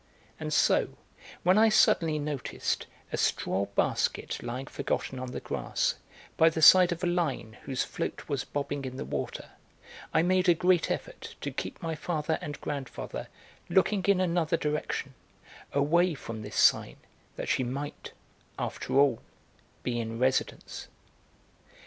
And so, when I suddenly noticed a straw basket lying forgotten on the grass by the side of a line whose float was bobbing in the water, I made a great effort to keep my father and grandfather looking in another direction, away from this sign that she might, after all, be in residence.